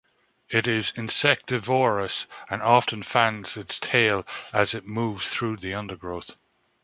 It is insectivorous, and often fans its tail as it moves through the undergrowth.